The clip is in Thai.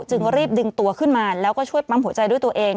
จึงรีบดึงตัวขึ้นมาแล้วก็ช่วยปั๊มหัวใจด้วยตัวเอง